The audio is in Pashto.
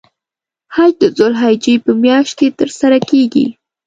حج د ذوالحجې په میاشت کې تر سره کیږی.